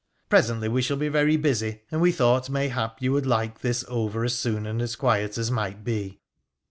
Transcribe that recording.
Presently we shall be very busy, md we thought mayhap you would like this over as soon and miet as might be.'